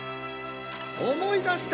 思い出した！